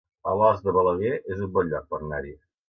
Alòs de Balaguer es un bon lloc per anar-hi